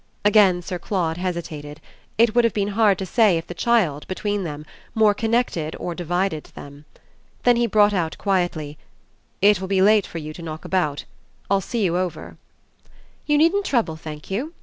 Again Sir Claude hesitated; it would have been hard to say if the child, between them, more connected or divided them. Then he brought out quietly: "It will be late for you to knock about. I'll see you over." "You needn't trouble, thank you.